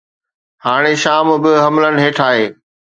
هاڻي شام به حملن هيٺ آهي.